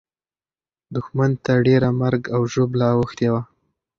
دښمن ته ډېره مرګ او ژوبله اوښتې وه.